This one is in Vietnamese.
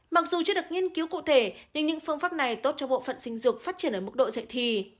mặc dù chưa được nghiên cứu cụ thể nhưng những phương pháp này tốt cho bộ phận sinh dục phát triển ở mức độ dạy thì